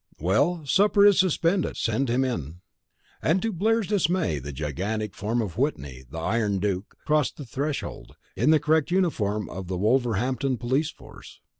Well, supper is suspended, send him in." And to Blair's dismay the gigantic form of Whitney, the Iron Duke, crossed the threshold, in the correct uniform of the Wolverhampton police force.